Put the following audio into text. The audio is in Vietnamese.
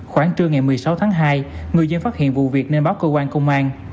khoảng trưa ngày một mươi sáu tháng hai người dân phát hiện vụ việc nên báo cơ quan công an